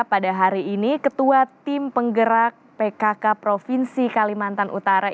pada hari ini ketua tim penggerak pkk provinsi kalimantan utara